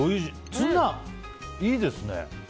ツナ、いいですね。